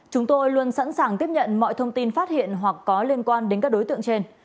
chúng tôi luôn sẵn sàng tiếp nhận mọi thông tin phát hiện hoặc có liên quan đến các đối tượng trên